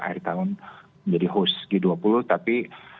akhir tahun menjadi host g dua puluh tapi